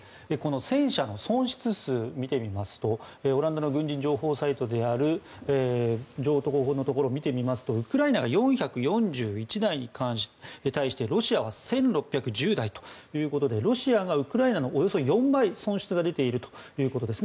戦車の損失数を見てみますとオランダの軍事情報サイトを見てみますとウクライナが４４１台に対してロシアは１６１０台ということでおよそ４倍損失が出ているということですね。